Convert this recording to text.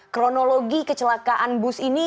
kronologi kecelakaan bus ini